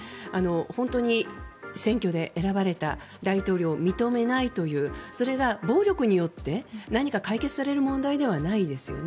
本当に選挙で選ばれた大統領を認めないというそれが暴力によって何か解決される問題ではないですよね。